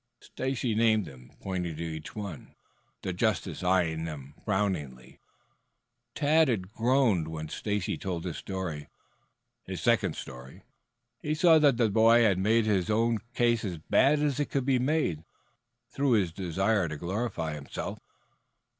Stacy named them, pointing to each one, the justice eyeing them frowningly. Tad had groaned when Stacy told his story his second story. He saw that the boy had made his own case as bad as it could be made, through his desire to glorify himself.